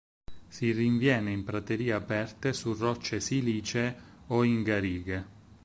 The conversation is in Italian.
Si rinviene in praterie aperte su rocce silicee o in garighe.